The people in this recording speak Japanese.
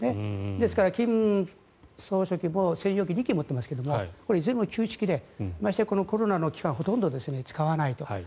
ですから金総書記も専用機を２機持っていますがいずれも旧式でましてやコロナの期間ほとんど使わないと。